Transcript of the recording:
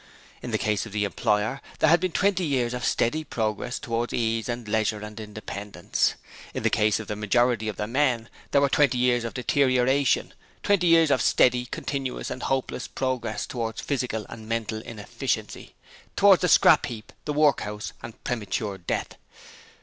'In the case of the employer there had been twenty years of steady progress towards ease and leisure and independence. In the case of the majority of the men there were twenty years of deterioration, twenty years of steady, continuous and hopeless progress towards physical and mental inefficiency: towards the scrap heap, the work house, and premature death.